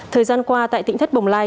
thời gian qua tại tỉnh thất bồng lai